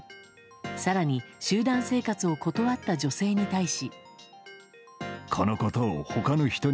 更に集団生活を断った女性に対し。